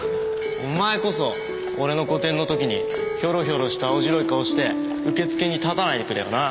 お前こそ俺の個展のときにヒョロヒョロした青白い顔して受付に立たないでくれよな。